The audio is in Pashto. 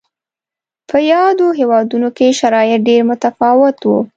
په یادو هېوادونو کې شرایط ډېر متفاوت و.